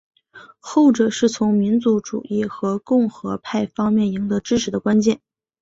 后者是从民族主义和共和派方面赢得支持的关键。